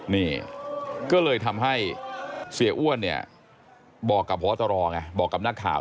นี่ก็เลยทำให้เสียอ้วนเนี่ยบอกกับพบตรไงบอกกับนักข่าว